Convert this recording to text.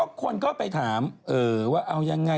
ก็คนก็ไปถามว่าเอายังไง